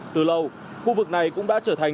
từ lâu khu vực này cũng đã trở thành